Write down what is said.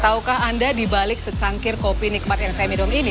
tahukah anda dibalik secangkir kopi nikmat yang saya minum ini